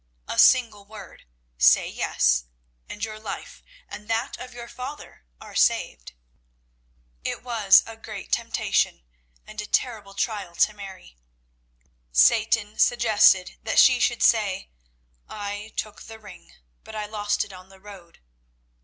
A single word say yes, and your life and that of your father are saved." It was a great temptation and a terrible trial to Mary. Satan suggested that she should say, "I took the ring, but I lost it on the road."